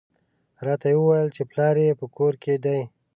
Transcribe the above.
راته یې وویل چې پلار یې په کور کې دی.